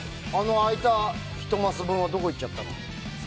開いた１マス分はどこにいっちゃったの？